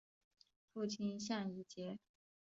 父亲向以节。